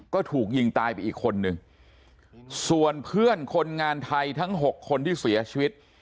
ก็ถูกยิงตายไปอีกคนนึงส่วนเพื่อนคนงานไทยทั้ง๖คนที่เสียชีวิต